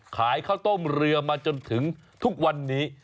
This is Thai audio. ข้าวต้มเรือมาจนถึงทุกวันนี้